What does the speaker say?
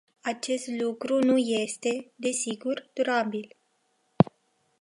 Acest lucru nu este, desigur, durabil.